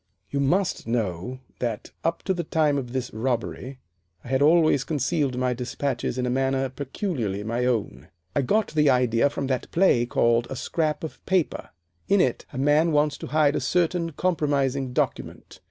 You must know that up to the time of this robbery I had always concealed my despatches in a manner peculiarly my own. I got the idea from that play called 'A Scrap of Paper.' In it a man wants to hide a certain compromising document.